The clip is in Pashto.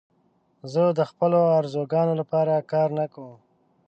زه د خپلو آرزوګانو لپاره کار نه کوم.